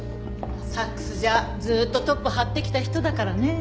サックスじゃずっとトップ張ってきた人だからね。